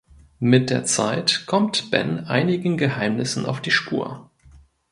Mit der Zeit kommt Ben einigen Geheimnissen auf die Spur.